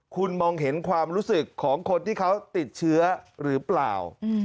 คุณมองเห็นความรู้สึกของคนที่เขาติดเชื้อหรือเปล่า